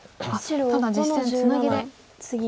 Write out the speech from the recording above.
ただ実戦ツナギで。